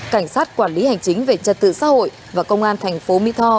cảnh sát quản lý hành chính về trật tự xã hội và công an thành phố mỹ tho